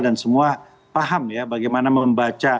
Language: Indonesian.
dan semua paham ya bagaimana membaca kecenderungan pemerintahan